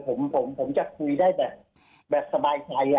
ผมจะคุยได้แบบสบายใจ